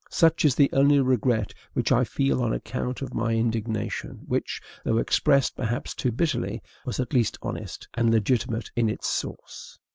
Such is the only regret which I feel on account of my indignation, which, though expressed perhaps too bitterly, was at least honest, and legitimate in its source.